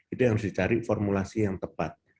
itu yang harus dicari formulasi yang tepat